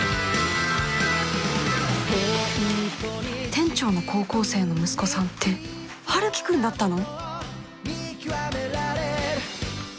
店長の高校生の息子さんってハルキくんだったの！？